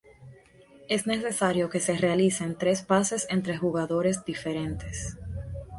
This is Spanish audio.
Es necesario que se realicen tres pases entre jugadores diferentes.